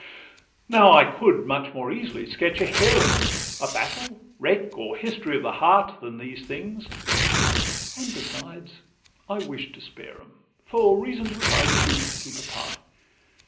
Now I could much more easily sketch a harem, A battle, wreck, or history of the heart, Than these things; and besides, I wish to spare 'em, For reasons which I choose to keep apart.